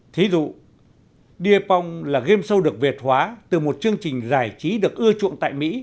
thí dụ depong là game show được việt hóa từ một chương trình giải trí được ưa chuộng tại mỹ